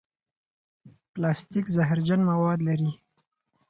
پلاستيک زهرجن مواد لري.